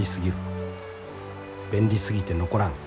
便利すぎて残らん。